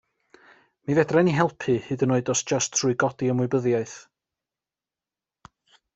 Mi fedran ni helpu hyd yn oed os jyst trwy godi ymwybyddiaeth.